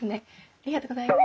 ありがとうございます。